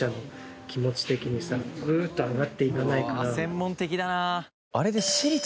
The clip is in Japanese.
専門的だなあ。